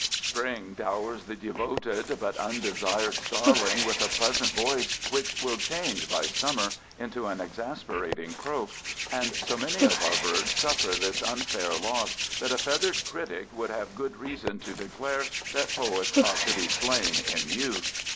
Spring dowers the devoted but undesired starling with a pleasant voice which will change by summer into an exasperating croak, and so many of our birds suffer this unfair loss that a feathered critic would have good reason to declare that poets ought to be slain in youth.